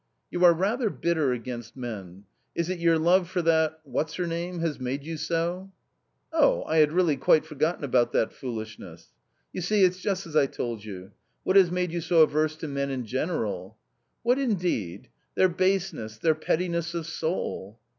" You are rather bitter against men. Is it your love for that — what's her name ? has made you so ?"" Oh ! I had really forgotten about that foolishness." " You see, it's just as I told you. What has made you so averse to men in general ?"" What indeed ! Their baseness, their pettiness of soul."